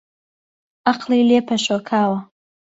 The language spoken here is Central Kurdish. عەقڵی لێ پەشۆکاوە